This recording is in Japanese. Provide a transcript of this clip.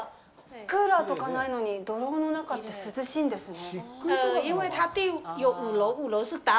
クーラーとかないのに土楼の中って涼しいんですね。